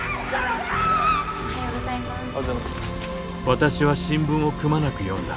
私は新聞をくまなく読んだ。